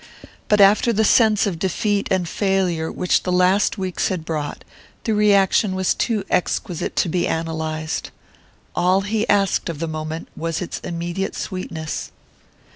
But after the sense of defeat and failure which the last weeks had brought, the reaction was too exquisite to be analyzed. All he asked of the moment was its immediate sweetness....